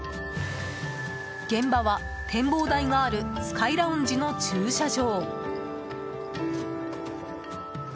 現場は、展望台があるスカイラウンジの駐車場。